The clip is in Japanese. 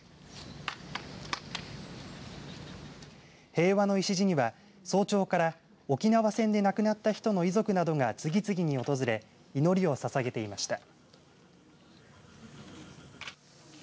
平和の礎には早朝から沖縄戦で亡くなった人の遺族などが次々に訪れ祈りをささげていました。